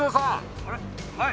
はい。